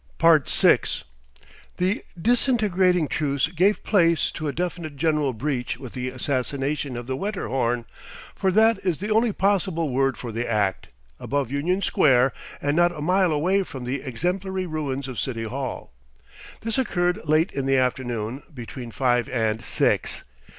6 The disintegrating truce gave place to a definite general breach with the assassination of the Wetterhorn for that is the only possible word for the act above Union Square, and not a mile away from the exemplary ruins of City Hall. This occurred late in the afternoon, between five and six.